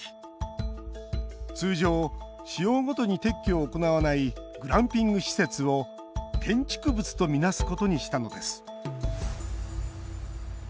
通常、使用ごとに撤去を行わないグランピング施設を建築物とみなすことにしたのです。